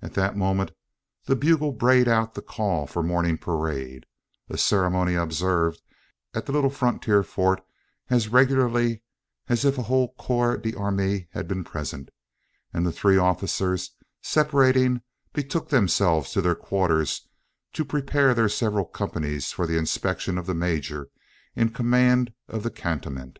At that moment the bugle brayed out the call for morning parade a ceremony observed at the little frontier fort as regularly as if a whole corps d'armee had been present and the three officers separating, betook themselves to their quarters to prepare their several companies for the inspection of the major in command of the cantonment.